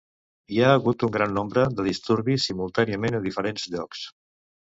Hi ha hagut un gran nombre de disturbis simultàniament a diferents llocs.